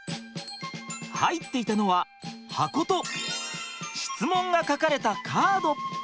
入っていたのは箱と質問が書かれたカード。